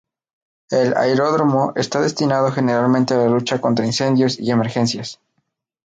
El aeródromo está destinado generalmente a la lucha contra incendios y emergencias.